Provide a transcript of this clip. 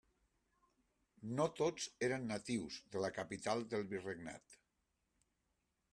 No tots eren natius de la capital del virregnat.